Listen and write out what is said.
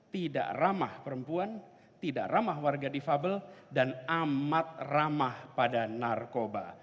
tidak ramah perempuan tidak ramah warga difabel dan amat ramah pada narkoba